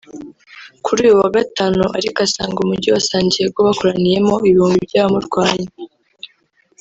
kuri uyu wa Gatanu ariko asanga Umujyi wa San Diego wakoraniyemo ibihumbi by’abamurwanya